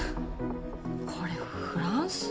これフランス？